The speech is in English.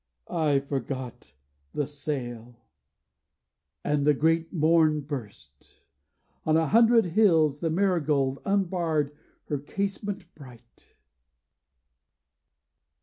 I forgot the sail.' And the great morn burst. On a hundred hills The marigold unbarred her casement bright.